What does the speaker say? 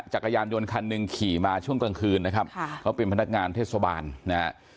จักรยานยนต์คันหนึ่งขี่มาช่วงกลางคืนนะครับเขาเป็นพนักงานเทศบาลนะฮะ